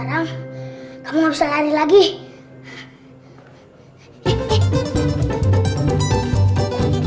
dimana ini yang ke twitter